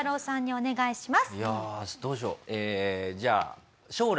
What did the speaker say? お願いします。